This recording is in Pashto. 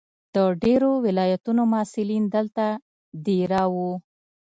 د ډېرو ولایتونو محصلین دلته دېره وو.